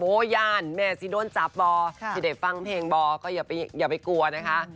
โอ้ยานแม่ซิโดนจับบ่่าพี่เด็ดฟังเพลงบ่าก็อย่าไปกลัวนะคะ